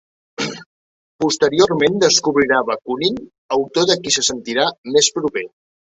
Posteriorment descobrirà Bakunin, autor de qui se sentirà més proper.